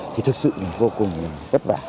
thì thực sự vô cùng vất vả